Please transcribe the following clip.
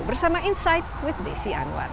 bersama insight with desi anwar